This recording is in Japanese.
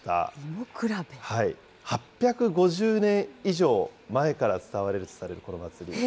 ８５０年以上前から伝わるとされるこの祭り。